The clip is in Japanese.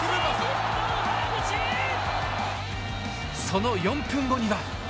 その４分後には。